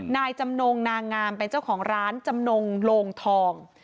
นายจำนงนางงามเป็นเจ้าของร้านจำนงโลงทอง